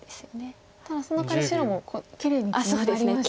ただそのかわり白もきれいにツナがりましたね。